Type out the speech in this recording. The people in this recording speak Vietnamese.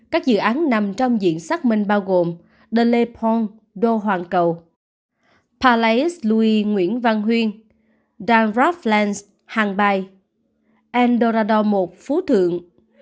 các dự án nằm trong diện xác minh bao gồm de lepont đô hoàng cầu palais louis nguyễn văn huyên dan rovlands hàng bài andorador một phú thượng